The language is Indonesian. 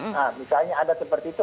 nah misalnya ada seperti itu